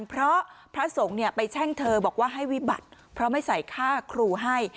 เพราะพระสงฆ์ไปแช่งเธอบอกว่าให้วิบัติเพราะไม่ใส่ค่าครูให้